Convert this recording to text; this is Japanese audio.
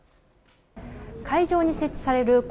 会場に設置される